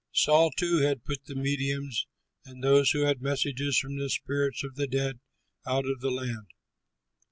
Saul, too, had put the mediums and those who had messages from the spirits of the dead out of the land.